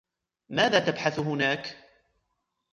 ماذا تبحث هناك ؟